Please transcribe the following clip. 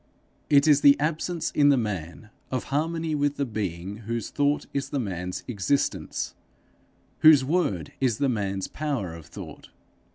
It is the absence in the man of harmony with the being whose thought is the man's existence, whose word is the man's power of thought.